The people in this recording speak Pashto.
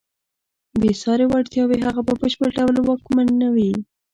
بېساري وړتیاوې هغه په بشپړ ډول واکمنوي.